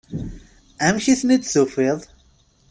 Amek i ten-id-tufiḍ?